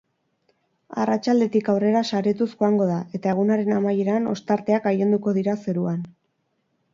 Arratsaldetik aurrera saretuz joango da eta egunaren amaieran ostarteak gailenduko dira zeruan.